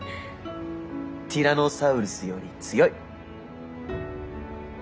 ティラノサウルスより強い。